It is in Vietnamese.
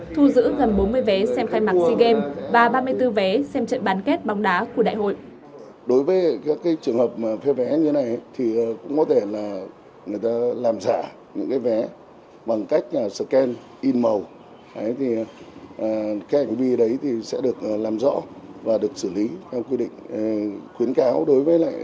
thu giữ gần bốn mươi vé xem khai mạc sea games và ba mươi bốn vé xem trận bán kết bóng đá của đại hội